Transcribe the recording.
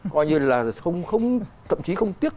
coi như là thậm chí không tiếc